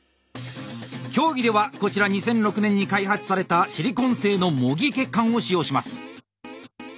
競技ではこちら２００６年に開発されたシリコン製の模擬血管を使用します。